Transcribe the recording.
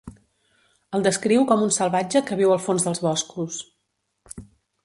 El descriu com un salvatge que viu al fons dels boscos.